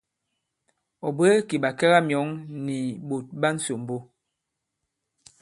Ɔ̀ bwě kì ɓàkɛgamyɔ̌ŋ nì ɓòt ɓa ǹsòmbo.